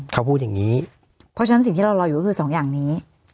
เขาพูดอย่างนี้เพราะฉะนั้นสิ่งที่เรารออยู่ก็คือสองอย่างนี้